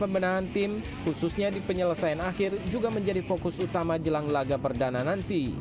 pembenahan tim khususnya di penyelesaian akhir juga menjadi fokus utama jelang laga perdana nanti